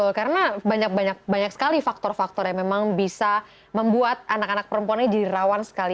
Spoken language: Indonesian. betul karena banyak banyak sekali faktor faktor yang memang bisa membuat anak anak perempuannya jadi rawan sekali